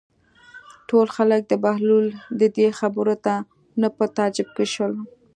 ټول خلک د بهلول د دې خبرو نه په تعجب کې شول.